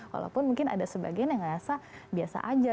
walaupun mungkin ada sebagian yang ngerasa biasa aja